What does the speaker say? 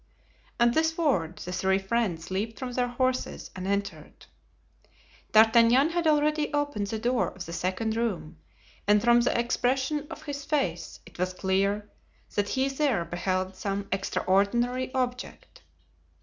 At this word the three friends leaped from their horses and entered. D'Artagnan had already opened the door of the second room, and from the expression of his face it was clear that he there beheld some extraordinary object.